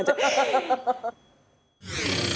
ハハハハ！